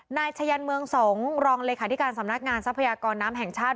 นายชะยันเมืองสงฆ์รองเลขาธิการสำนักงานทรัพยากรน้ำแห่งชาติ